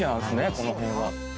この辺は。